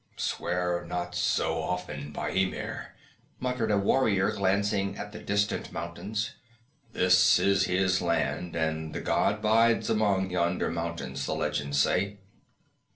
"Swear not so often by Ymir," muttered a warrior, glancing at the distant mountains. "This is his land and the god bides among yonder mountains, the legends say."